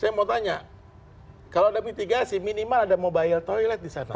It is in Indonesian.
saya mau tanya kalau ada mitigasi minimal ada mobile toilet di sana